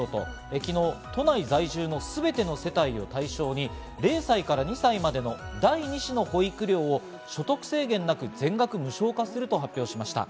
昨日、都内在住のすべての世帯を対象に０歳２歳までの第２子の保育料を所得制限なく全額無償化すると発表しました。